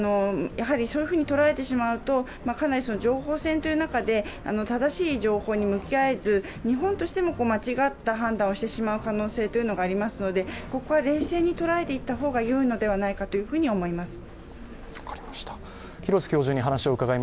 そういうふうに捉えてしまうと、かなり情報戦という中で、正しい情報に向き合えず、日本としても間違った判断をしてしまう可能性がありますので、ここは冷静に捉えていった方がよいのではないかと思います。